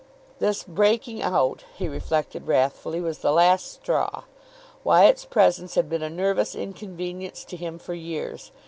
This breaking out, he reflected wrathfully, was the last straw. Wyatt's presence had been a nervous inconvenience to him for years.